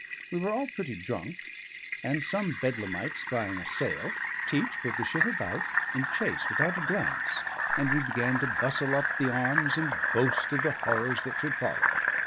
We were all pretty drunk: and some bedlamite spying a sail, Teach put the ship about in chase without a glance, and we began to bustle up the arms and boast of the horrors that should follow.